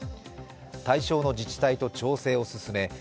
対象の自治体と調整を進め